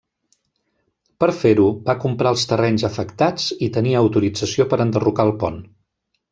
Per fer-ho, va comprar els terrenys afectats i tenia autorització per enderrocar el pont.